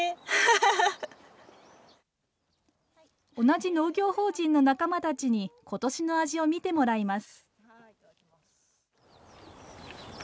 同じ農業法人の仲間たちに、ことしの味を見てもらいます。